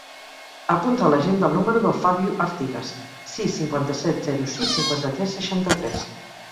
Apunta a l'agenda el número del Fabio Artigues: sis, cinquanta-set, zero, sis, cinquanta-tres, seixanta-tres.